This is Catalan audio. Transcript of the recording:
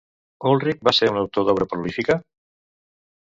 Ulrich va ser un autor d'obra prolífica?